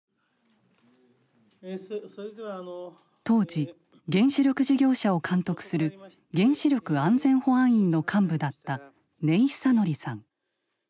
当時原子力事業者を監督する原子力安全・保安院の幹部だった根井寿規さん。